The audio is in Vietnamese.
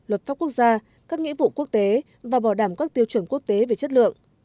luật pháp quốc gia các nghĩa vụ quốc tế và bảo đảm các tiêu chuẩn quốc tế về chất lượng